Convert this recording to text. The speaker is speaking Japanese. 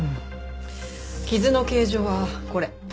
傷の形状はこれ。